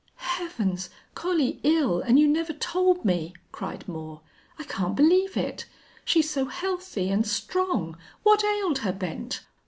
"Heavens! Collie ill and you never told me!" cried Moore. "I can't believe it. She's so healthy and strong. What ailed her, Bent?"